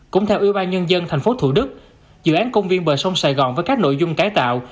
cũng theo ưu ba nhân dân thành phố thủ đức dự án công viên bờ sông sài gòn với các nội dung cải tạo